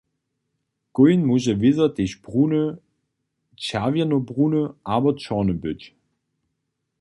Kóń móže wězo tež bruny, čerwjenobruny abo čorny być.